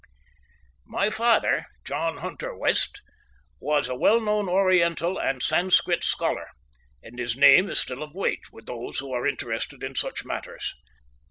My Father, John Hunter West, was a well known Oriental and Sanskrit scholar, and his name is still of weight with those who are interested in such matters.